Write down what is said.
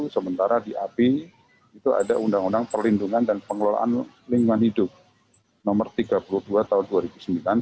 sementara di ap itu ada undang undang perlindungan dan pengelolaan lingkungan hidup nomor tiga puluh dua tahun dua ribu sembilan